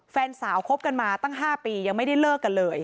แฟนสาวคบกันมาตั้ง๕ปียังไม่ได้เลิกกันเลย